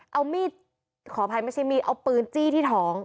เอามีดขออภัยไม่ใช่มีดเอาปืนจี้ที่ท้อง